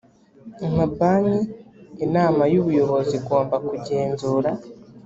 amabanki inama y ubuyobozi igomba kugenzura